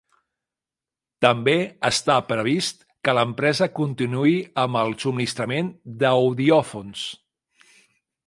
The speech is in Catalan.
També està previst que l'empresa continuï amb el subministrament d'audiòfons.